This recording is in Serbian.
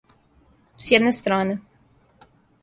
С једне стране.